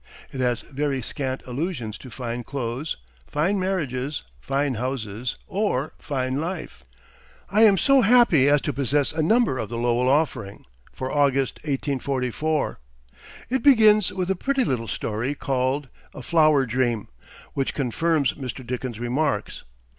It has very scant allusion to fine clothes, fine marriages, fine houses, or fine life." I am so happy as to possess a number of the "Lowell Offering," for August, 1844. It begins with a pretty little story called "A Flower Dream," which confirms Mr. Dickens's remarks.